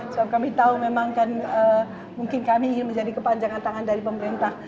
sebab kami tahu memang kan mungkin kami ingin menjadi kepanjangan tangan dari pemerintah